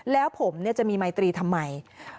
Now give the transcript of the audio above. แล้วผมจะมีไมตรีทำไม